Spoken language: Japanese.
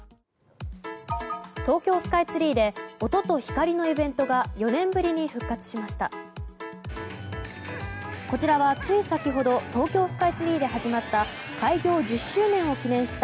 東京スカイツリーで音と光のイベントが４年ぶりに復活しました。